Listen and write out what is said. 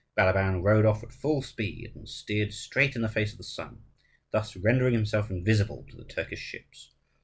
Balaban rowed off at full speed, and steered straight in the face of the sun, thus rendering himself invisible to the Turkish ships.